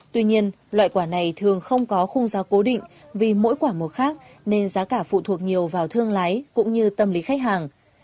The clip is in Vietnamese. tuy nhiên loại quả này thường không có khung giá cố định vì mỗi quả một khác nên giá cả phụ thuộc nhiều vào thương lái cũng như tâm lý khách hàng